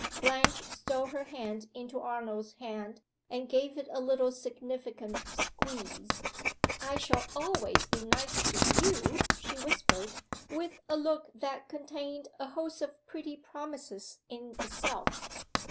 Blanche stole her hand into Arnold's hand and gave it a little significant squeeze. "I shall always be nice to you," she whispered with a look that contained a host of pretty promises in itself.